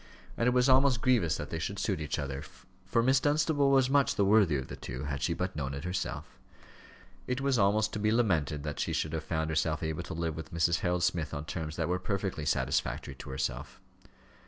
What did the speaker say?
And it was almost grievous that they should suit each other, for Miss Dunstable was much the worthier of the two, had she but known it herself. It was almost to be lamented that she should have found herself able to live with Mrs. Harold Smith on terms that were perfectly satisfactory to herself.